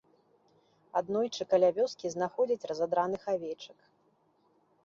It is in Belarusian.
Аднойчы каля вёскі знаходзяць разадраных авечак.